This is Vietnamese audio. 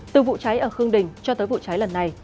từ vụ cháy ở khương đình cho tới vụ cháy lần này